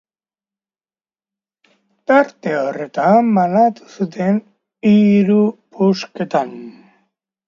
Tarte horretan banatu zuten, hain justu, polemika eragin duen txartela.